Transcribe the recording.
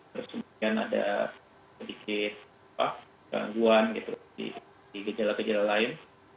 terus ada sedikit gangguan di gejala gejala lainnya